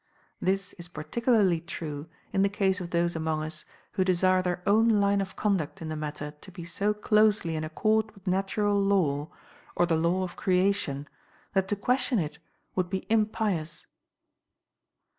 This is particularly true in the case of those among us who desire their own line of conduct in the matter to be so closely in accord with natural law, or the law of creation, that to question it would be impious.